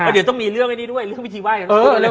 เดี๋ยวต้องมีเรื่องไอ้นี่ด้วยเรื่องวิธีไห้